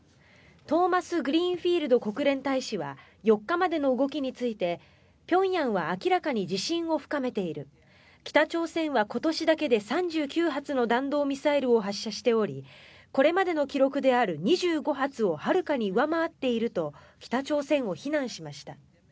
トーマスグリーンフィールド国連大使は４日までの動きについて平壌は明らかに自信を深めている北朝鮮は今年だけで３９発の弾道ミサイルを発射しておりこれまでの記録である２５発をはるかに上回っていると北朝鮮を非難しました。